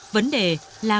vấn đề là